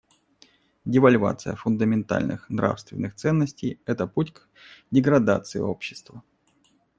Девальвация фундаментальных нравственных ценностей — это путь к деградации общества.